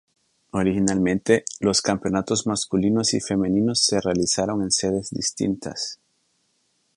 Originalmente, los campeonatos masculinos y femeninos se realizaron en sedes distintas.